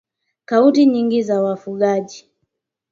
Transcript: Kaunti nyingi za wafugaji